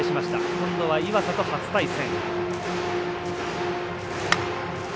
今度は岩佐と初対戦。